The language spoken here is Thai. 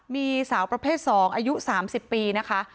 มีสาวประเภท๒อายุ๓๐ปีนะคะ